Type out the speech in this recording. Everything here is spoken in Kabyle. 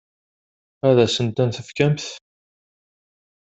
Ad asent-ten-tefkemt?